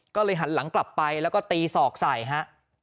ก็เลยหันหลังกลับไปแล้วก็ตีศอกใส่ฮะ